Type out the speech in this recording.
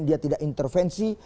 dia tidak intervensi